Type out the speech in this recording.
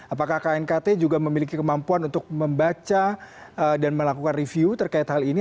apakah knkt juga memiliki kemampuan untuk membaca dan melakukan review terkait hal ini